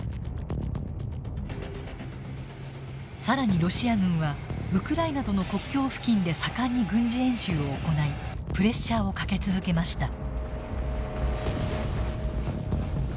更にロシア軍はウクライナとの国境付近で盛んに軍事演習を行いプレッシャーをかけ続けました。